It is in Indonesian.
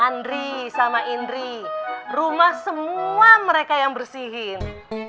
andri sama indri rumah semua mereka yang bersihin